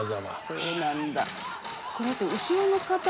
そうなんだ。